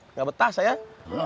nggak betah sayang